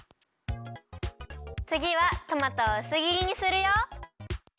つぎはトマトをうすぎりにするよ。